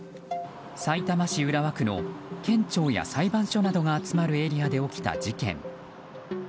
さいたま市浦和区の県庁や裁判所などが集まるエリアで起きた事件。